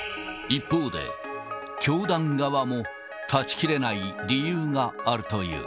一方で、教団側も断ち切れない理由があるという。